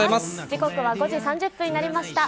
時刻は５時３０分になりました